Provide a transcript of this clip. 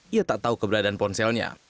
ia tak tahu keberadaan ponselnya